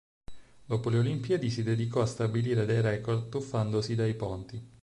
Dopo le olimpiadi si dedicò a stabilire dei record tuffandosi dai ponti.